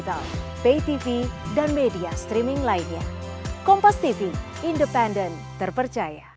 setei banking ini bersungguh